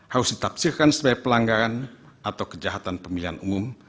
harus ditafsirkan sebagai pelanggaran atau kejahatan pemilihan umum